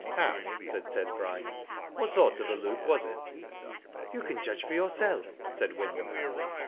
" How ?" said Ted Bryce. " What sort of a look was it?" "You can judge for yourself," said Wyndham Hanworth.